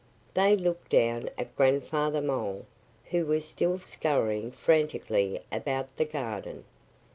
They looked down at Grandfather Mole, who was still scurrying frantically about the garden.